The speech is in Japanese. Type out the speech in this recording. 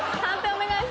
お願いします。